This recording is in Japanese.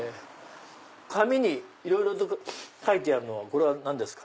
紙にいろいろと書いてあるのはこれは何ですか？